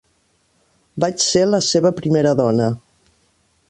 Vaig ser la seva primera dona.